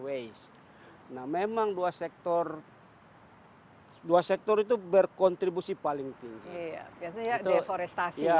waze nah memang dua sektor dua sektor itu berkontribusi paling tinggi ya biasanya deforestasi